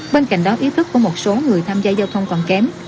bên cạnh đó ý thức của một số người tham gia giao thông còn kém